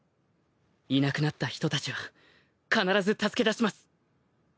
いなくなった人たちは必ず助け出します。